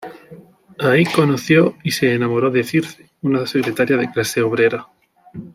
Ahí, conoció y se enamoró de Circe, una secretaria de clase obrera.